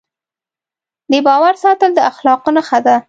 د باور ساتل د اخلاقو نښه ده.